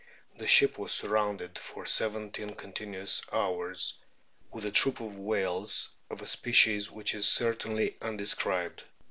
the ship was surrounded for seventeen continuous hours with a troop of whales, of a species which is certainly undescribed.